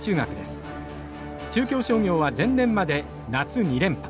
中京商業は前年まで夏２連覇。